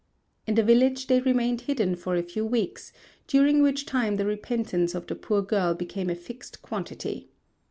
In the village they remained hidden for a few weeks, during which time the repentance of the poor girl became a fixed quantity.